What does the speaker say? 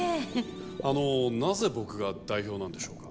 あのなぜ僕が代表なんでしょうか？